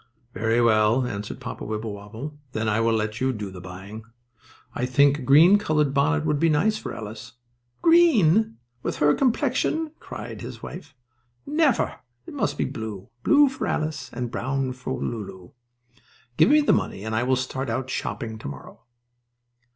"Very well," answered Papa Wibblewobble, "then I will let you do the buying. I think a green colored bonnet would be nice for Alice." "Green! With her complexion!" cried his wife. "Never! It must be blue blue for Alice and a brown one for Lulu. Give me the money and I will start out shopping to morrow."